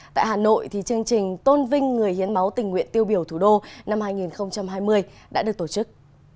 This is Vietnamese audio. tại hà nội chương trình tôn vinh người hiến máu tình nguyện tiêu biểu thủ đô năm hai nghìn hai mươi đã được tổ chức